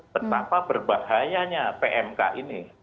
betapa berbahayanya pmk ini